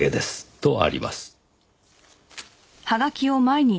とあります。